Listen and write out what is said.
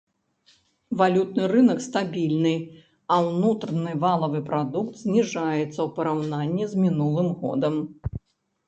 Валютны рынак стабільны а ўнутраны валавы прадукт зніжаецца ў параўнанні з мінулым годам.